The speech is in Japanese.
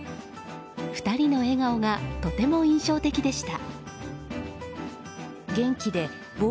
２人の笑顔がとても印象的でした。